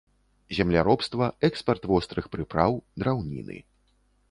Земляробства, экспарт вострых прыпраў, драўніны.